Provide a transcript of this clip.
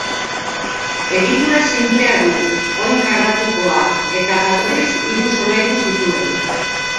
Egitura sinplea du, oin karratukoa, eta jatorriz hiru solairu zituen.